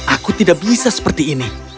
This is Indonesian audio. aku tidak bisa seperti ini